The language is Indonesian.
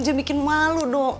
jemikin malu dong